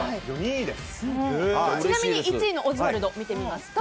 ちなみに１位のオズワルド１３．２６。